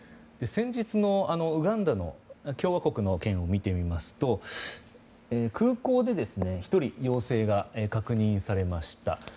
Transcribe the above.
先日のウガンダ共和国の件を見てみますと空港で１人陽性が確認されました。